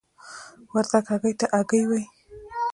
وردګ هګۍ ته آګۍ وايي.